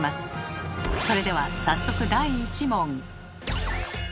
それでは早速第１問。